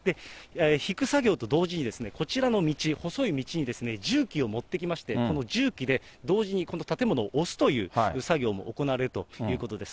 引く作業と同時に、こちらの道、細い道に重機を持ってきまして、この重機で同時にこの建物を押すという作業が行われるということです。